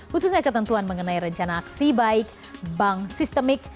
khususnya ketentuan mengenai rencana aksi baik bank sistemik